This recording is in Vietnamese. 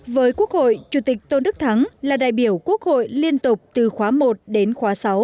với quốc hội chủ tịch tôn đức thắng là đại biểu quốc hội liên tục từ khóa một đến khóa sáu